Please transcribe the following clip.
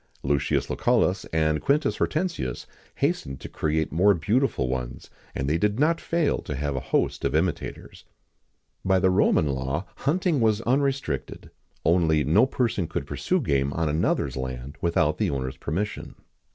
Lucius Lucullus, and Quintus Hortensius hastened to create more beautiful ones, and they did not fail to have a host of imitators.[XIX 33] By the Roman law, hunting was unrestricted:[XIX 34] only, no person could pursue game on another's land without the owner's permission.